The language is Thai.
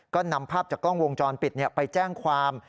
ก็นำภาพจากกล้องวงจรปิดไปแจ้งความ